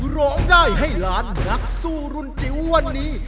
ร้องได้ให้ล้านนักสู้รุ่นจิ๋ววันนี้